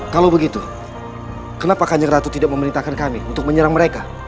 kalau begitu kenapa kanjeng ratu tidak memerintahkan kami untuk menyerang mereka